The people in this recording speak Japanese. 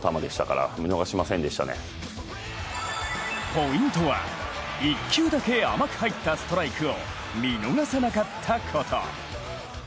ポイントは、１球だけ甘く入ったストライクを見逃さなかったこと。